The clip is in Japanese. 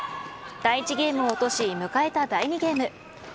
第１ゲームを落とし迎えた第２ゲーム。